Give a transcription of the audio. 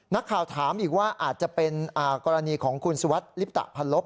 นักข่าวถามอีกว่าอาจจะเป็นกรณีของคุณสุวัสดิลิปตะพันลบ